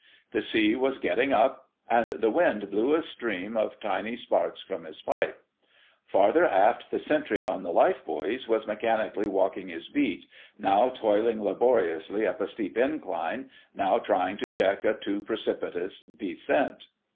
The sea was getting up, and the wind blew a stream of tiny sparks from his pipe. Farther aft the sentry on the life buoys was mechanically walking his beat, now toiling laboriously up a steep incline, now trying to check a too precipitous descent.